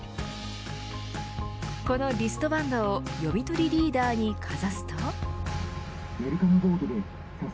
このリストバンドを読み取りリーダーにかざすと。